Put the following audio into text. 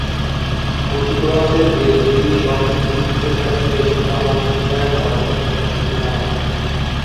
কথিত আছে যে দেবী স্বপ্নে পুরোহিতের কাছে এসে পাহাড়ের চূড়ায় তাঁর অবস্থান সম্পর্কে জানালেন।